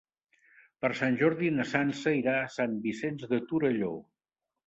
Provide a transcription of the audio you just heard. Per Sant Jordi na Sança irà a Sant Vicenç de Torelló.